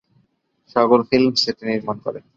সাগর Films এটি নির্মাণ করে।